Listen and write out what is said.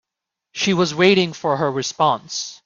She was waiting for her response.